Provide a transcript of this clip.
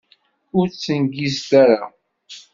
Ur ttengizet ara!